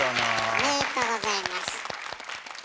おめでとうございます。